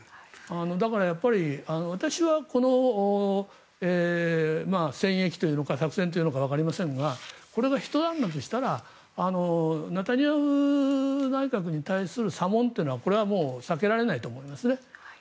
だからやっぱり私はこの戦役というのか作戦というのかわかりませんがこれがひと段落したらネタニヤフ内閣に対する査問というのはこれはもう避けられないと思います。